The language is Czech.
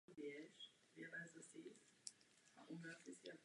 Informační panel nedaleko Panského domu informuje o historii obce.